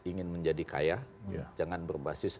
ingin menjadi kaya jangan berbasis